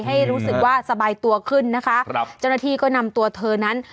ให้รู้สึกว่าสบายตัวขึ้นนะคะครับเจ้าหน้าที่ก็นำตัวเธอนั้น